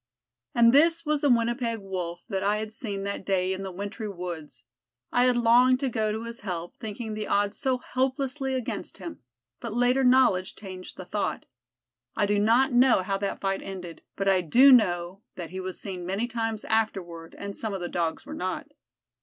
And this was the Winnipeg Wolf that I had seen that day in the wintry woods. I had longed to go to his help, thinking the odds so hopelessly against him, but later knowledge changed the thought. I do not know how that fight ended, but I do know that he was seen many times afterward and some of the Dogs were not.